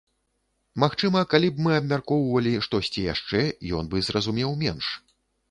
Магчыма, калі б мы абмяркоўвалі штосьці яшчэ, ён бы зразумеў менш.